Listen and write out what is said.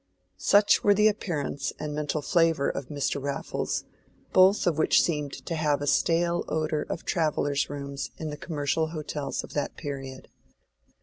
Such were the appearance and mental flavor of Mr. Raffles, both of which seemed to have a stale odor of travellers' rooms in the commercial hotels of that period.